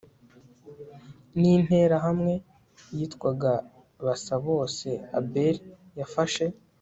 n interahamwe yitwaga basa bose abel yafashe